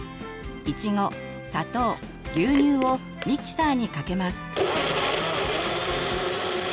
いちご砂糖牛乳をミキサーにかけます。